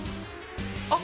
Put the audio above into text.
あっ。